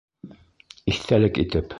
Иҫтәлек итеп.